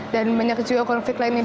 dan banyak juga konflik lainnya di tv